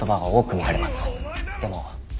でも。